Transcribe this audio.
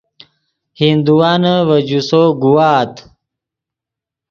ہندوانے ڤے جوسو گوآت